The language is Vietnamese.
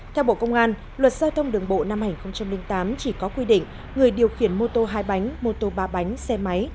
theo bộ công an luật giao thông đường bộ năm hai nghìn tám chỉ có quy định người điều khiển mô tô hai bánh mô tô ba bánh xe máy